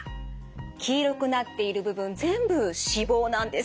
黄色くなっている部分全部脂肪なんです。